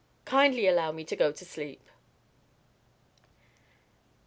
"Kindly allow me to go to sleep."